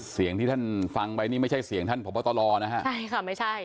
เสียงที่ท่านฟังไปนี่ไม่ใช่เสียงท่านพบตรนะฮะใช่ค่ะไม่ใช่